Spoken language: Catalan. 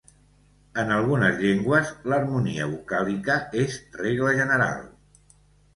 En algunes llengües, l'harmonia vocàlica és regla general.